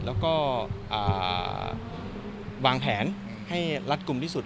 แล้วก็วางแผนให้รัดกลุ่มที่สุด